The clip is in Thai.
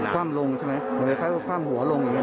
ข้ามลงใช่ไหมแต่ถ้าความหัวลงอยู่ทัน